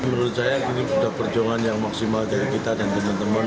menurut saya ini sudah perjuangan yang maksimal dari kita dan teman teman